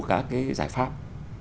các cái giải pháp